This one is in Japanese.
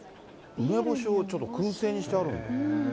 梅干しをちょっとくん製にしてあるんだ。